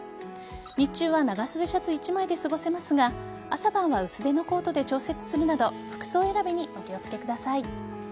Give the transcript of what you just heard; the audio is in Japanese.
日中は長袖シャツ１枚で過ごせますが朝晩は薄手のコートで調節するなど服装選びにお気を付けください。